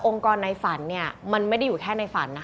กรในฝันมันไม่ได้อยู่แค่ในฝันนะคะ